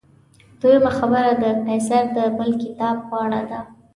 دویمه خبره د قیصر د بل کتاب په اړه ده.